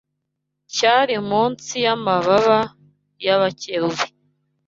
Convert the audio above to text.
cyari munsi y’amababa y’abakerubi